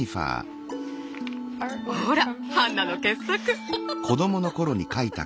ほらハンナの傑作。